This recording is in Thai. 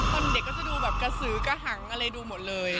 เด็กก็จะดูแบบกระสือกระหังอะไรดูหมดเลย